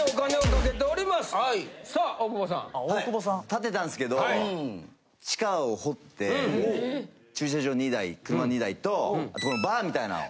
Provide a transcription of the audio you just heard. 建てたんですけど地下を掘って駐車場２台車２台とこのバーみたいのを。